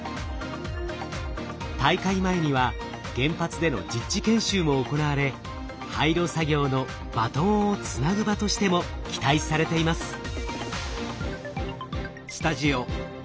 大会前には原発での実地研修も行われ廃炉作業のバトンをつなぐ場としても期待されています。